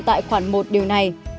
tại khoản một điều này